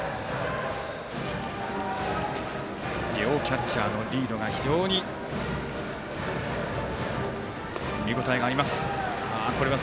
両キャッチャーのリードが非常に見応えがあります。